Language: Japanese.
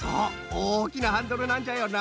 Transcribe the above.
おおきなハンドルなんじゃよな